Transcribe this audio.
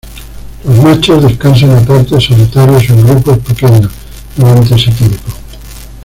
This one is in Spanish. Los machos descansan aparte, solitarios o en grupos pequeños, durante ese tiempo.